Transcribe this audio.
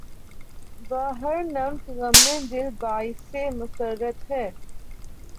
بہ ہر نمط غمِ دل باعثِ مسرت ہے